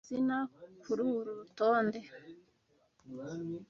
Tora izina kururu rutonde.